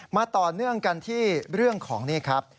มาต่อเนื่องกันที่เรื่องของนี่ครับ